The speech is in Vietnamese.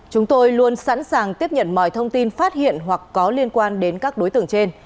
chúng tôi luôn sẵn sàng tiếp nhận mọi thông tin phát hiện hoặc có liên quan đến các đối tượng trên